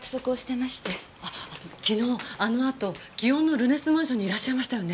あっ昨日あのあと祇園のルネスマンションにいらっしゃいましたよね？